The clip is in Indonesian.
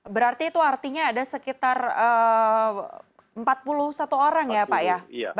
berarti itu artinya ada sekitar empat puluh satu orang ya pak ya